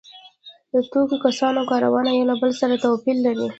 د ټولو کسانو کارونه یو له بل سره توپیر لري